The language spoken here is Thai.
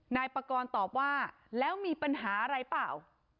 นายปากรตอบว่าแล้วมีปัญหาอะไรเปล่า